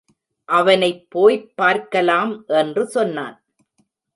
அவனைப் போய்ப் பார்க்கலாம் என்று சொன்னான்.